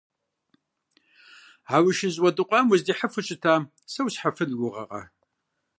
А уи шыжь уэдыкъуам уздихьыфу щытам сэ усхьыфын уи гугъэкъэ?